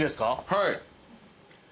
はい。